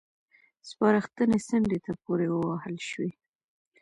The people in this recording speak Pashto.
سپارښتنې څنډې ته پورې ووهل شوې.